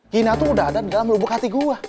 gina tuh udah ada di dalam lubuk hati gue